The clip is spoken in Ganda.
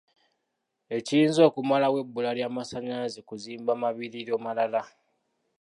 Ekiyinza okumalawo ebbula ly'amasanyalaze kuzimba mabibiro malala.